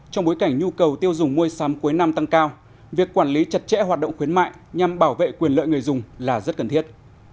trong bối cảnh nhu cầu tiêu dùng mua sắm cuối năm tăng cao việc quản lý chặt chẽ hoạt động khuyến mại nhằm bảo vệ quyền lợi người dùng là rất cần thiết